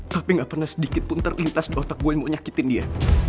tapi gak pernah sedikit pun terlintas di otak gue yang mau nyakitin dia